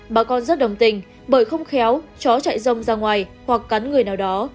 bà con rất đồng tình bởi không khéo chó chạy rông ra ngoài hoặc cắn người nào đó